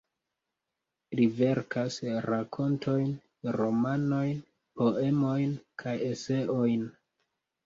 Li verkas rakontojn, romanojn, poemojn kaj eseojn.